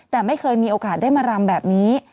แต่ไม่เคยมีโอกาสได้มารำแบบนี้